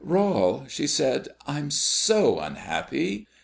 "Rol," she said, "I'm so unhappy."